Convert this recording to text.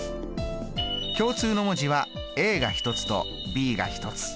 共通の文字はが１つとｂが１つ。